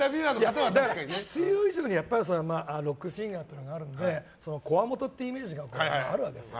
だから、必要以上にロックシンガーっていうのがあるので強面というイメージがあるわけですよ。